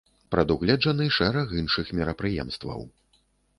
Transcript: Прадугледжаны шэраг іншых мерапрыемстваў.